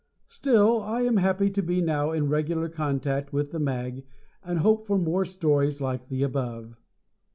Still I am happy to be now in regular contact with the mag and hope for more stories like the above.